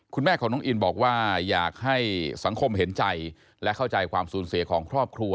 คุณแม่ของน้องอินบอกว่าอยากให้สังคมเห็นใจและเข้าใจความสูญเสียของครอบครัว